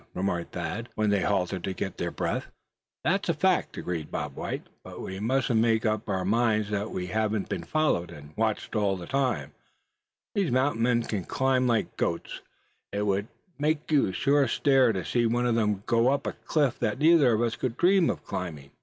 remarked Thad, when they halted to get their breath. "That's a fact, suh," agreed Bob White, "but we mustn't make up our minds that we haven't been followed and watched at all times. These mountain men can climb like goats, suh. It would make you stare to see one of them go up a cliff that neither of us could dream of climbing.